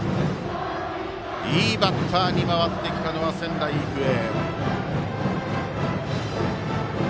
いいバッターに回ってきたのは仙台育英。